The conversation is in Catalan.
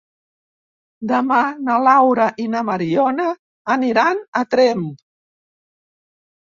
Demà na Laura i na Mariona aniran a Tremp.